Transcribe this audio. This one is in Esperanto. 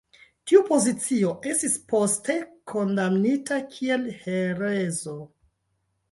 Tiu pozicio estis poste kondamnita kiel herezo.